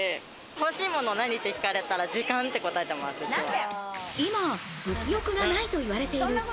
欲しいもの、何？って聞かれたら、時間って答えてます。